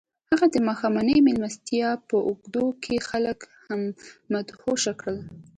هغه د ماښامنۍ مېلمستیا په اوږدو کې خلک مدهوشه کړل